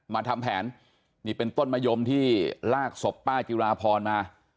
มาทำแผนนี่เป็นต้นมะยมที่ลากศพป้าจิราพรมา